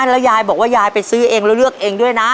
แล้วยายบอกว่ายายไปซื้อเองแล้วเลือกเองด้วยนะ